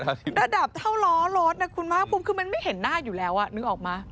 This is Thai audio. ระดับเท่าล้อรถนะคุณภาคภูมิคือมันไม่เห็นหน้าอยู่แล้วนึกออกมา